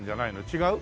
違う？